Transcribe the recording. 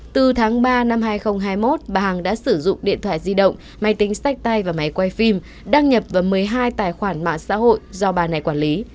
từ tháng ba năm hai nghìn hai mươi một bà hằng đã sử dụng điện thoại di động máy tính sách tay và máy quay phim đăng nhập vào một mươi hai tài khoản mạng xã hội do bà này quản lý